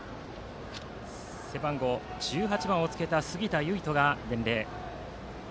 背番号１８番をつけた杉田結翔が伝令。